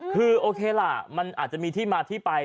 คือโอเคล่ะมันอาจจะมีที่มาที่ไป